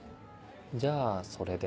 じゃあそれで。